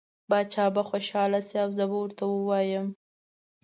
باچا به خوشحاله شي او زه به ورته ووایم.